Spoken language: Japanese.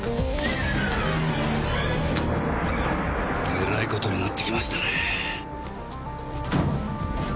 えらい事になってきましたね。